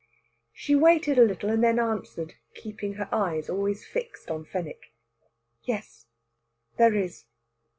She waited a little, and then answered, keeping her eyes always fixed on Fenwick: "Yes, there is."